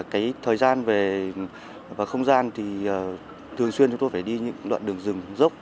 về thời gian và không gian thì thường xuyên chúng tôi phải đi những đoạn đường rừng dốc